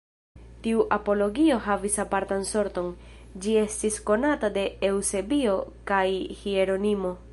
Tiu apologio havis apartan sorton, Ĝi estis konata de Eŭsebio kaj Hieronimo.